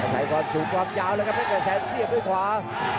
ไทยความสูงความยาวแล้วครับแค่แสนสีเอียบด้วยขวา